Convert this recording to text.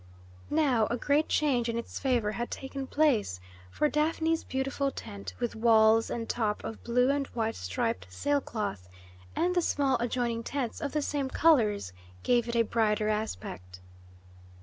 Now a great change in its favour had taken place, for Daphne's beautiful tent, with walls and top of blue and white striped sail cloth, and the small adjoining tents of the same colours, gave it a brighter aspect.